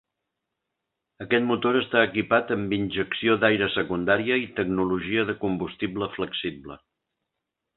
Aquest motor està equipat amb injecció d'aire secundària i tecnologia de combustible flexible.